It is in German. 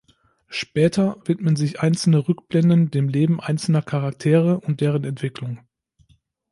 Später widmen sich einzelne Rückblenden dem Leben einzelner Charaktere und deren Entwicklung.